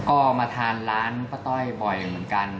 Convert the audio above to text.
ก็มาทานร้านป้าต้อยบ่อยเหมือนกัน